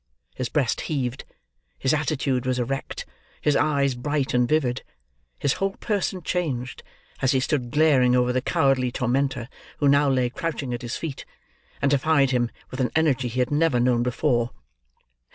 His breast heaved; his attitude was erect; his eye bright and vivid; his whole person changed, as he stood glaring over the cowardly tormentor who now lay crouching at his feet; and defied him with an energy he had never known before.